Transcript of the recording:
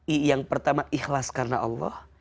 i yang pertama ikhlas karena allah